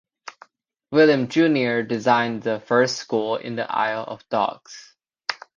William (jnr) designed the first school in the Isle of Dogs.